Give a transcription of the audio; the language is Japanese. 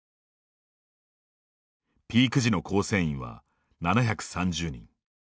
ピーク時の構成員は７３０人。